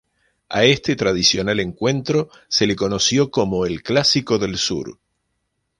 A este tradicional encuentro se le conoció como "El Clásico del Sur".